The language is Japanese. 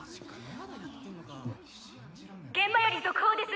現場より続報です